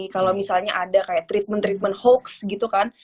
kalau misalnya ada kayak treatment treatment hoax gitu kan